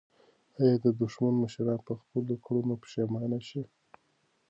آیا د دښمن مشران به په خپلو کړنو پښېمانه شي؟